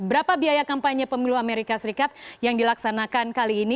berapa biaya kampanye pemilu amerika serikat yang dilaksanakan kali ini